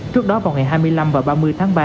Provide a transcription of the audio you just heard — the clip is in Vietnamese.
trước đó vào ngày hai mươi năm và ba mươi tháng ba